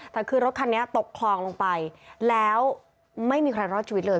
แต่คือรถคันนี้ตกคลองลงไปแล้วไม่มีใครรอดชีวิตเลย